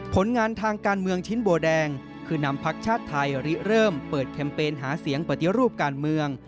ผลงานทางการเมืองชิ้นโบแดงคือนำพักชาติไทยริเริ่มเปิดแคมเปญหาเสียงปฏิรูปการเมือง